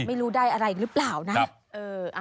ไม่รู้ได้อะไรอีกหรือเปล่านะ